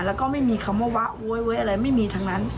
แล้วก็ไม่มีคำว่าวะโว๊ยอะไรไม่มีทั้งนั้น